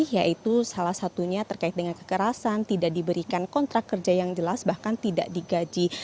yaitu salah satunya terkait dengan kekerasan tidak diberikan kontrak kerja yang jelas bahkan tidak digaji